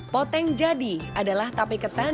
poteng jadi adalah tapai keteng